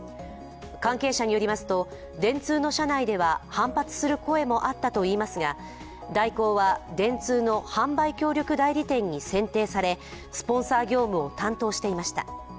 関係者によりますと、電通の社内では反発する声もあったといいますが大広は、電通の販売協力代理店に選定されスポンサー業務を担当していました。